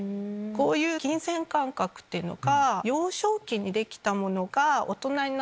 こういう金銭感覚っていうのが。